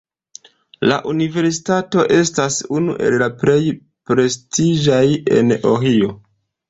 La universitato estas unu el la plej prestiĝaj en Ohio.